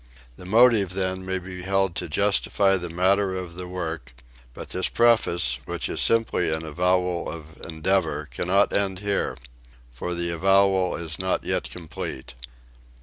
The motive then, may be held to justify the matter of the work; but this preface, which is simply an avowal of endeavour, cannot end here for the avowal is not yet complete.